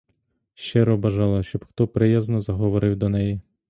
Щиро бажала, щоб хто приязно заговорив до неї.